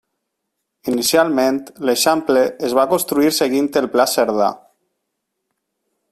Inicialment, l'Eixample es va construir seguint el Pla Cerdà.